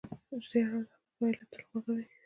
د زیار او زحمت پایله تل خوږه وي.